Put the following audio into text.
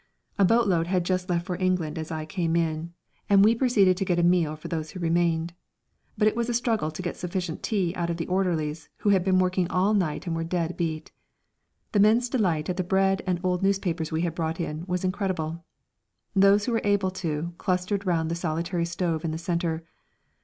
A boatload had just left for England as I came in, and we proceeded to get a meal for those who remained. But it was a struggle to get sufficient tea out of the orderlies, who had been working all night and were dead beat. The men's delight at the bread and old newspapers we had brought in was incredible. Those who were able to, clustered round the solitary stove in the centre.